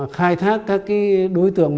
khai thác các đối tượng